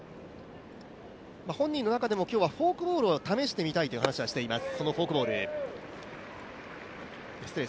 本人の中でも、今日はスライダーを試してみたいと話しています。